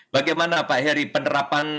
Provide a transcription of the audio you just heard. bagaimana pak heri penerapan